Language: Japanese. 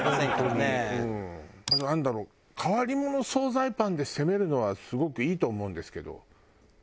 なんだろう変わりもの総菜パンで攻めるのはすごくいいと思うんですけど。